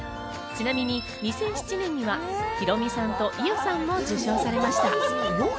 ちなみに２００７年にはヒロミさんと伊代さんも受賞されました。